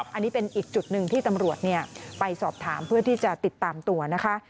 อันนี้เป็นอีกจุดหนึ่งที่ตำรวจไปสอบถามเพื่อที่จะติดตามตัวนะคะ